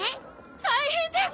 大変です！